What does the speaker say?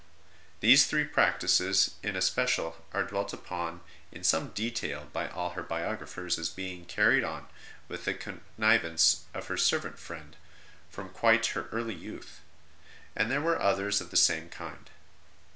These three practices in especial are d\velt upon in some detail by all her biographers as being carried on, with the con nivance of her servant friend, from quite her early youth ; and there were others of the same kind.